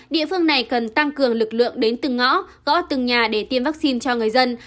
địa phương này cần tăng cường lực lượng đến từng ngõ gõ từng nhà để tiêm vaccine cho người dân